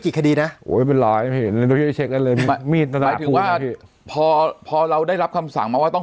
กี่คดีน่ะโอ้ยเป็นหลายมีดหมายถึงว่าพอพอเราได้รับคำสั่งมาว่าต้อง